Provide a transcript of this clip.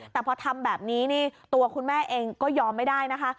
แต่พอทำแบบนี้นี่ตัวคุณแม่เองก็ยอมไม่ได้นะคะ